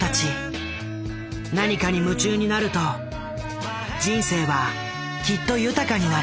何かに夢中になると人生はきっと豊かになる。